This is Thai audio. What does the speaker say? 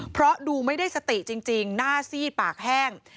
เพราะดูไม่ได้สติจริงหน้าซีดปากแห้ง